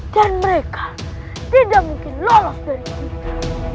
dan mereka tidak mungkin lolos dari kita